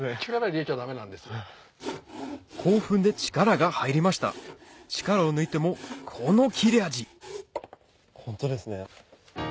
興奮で力が入りました力を抜いてもこの切れ味ホントですね。